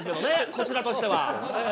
こちらとしてはええ。